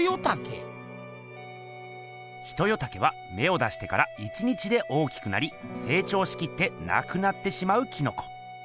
ヒトヨタケはめを出してから１日で大きくなりせい長しきってなくなってしまうキノコ。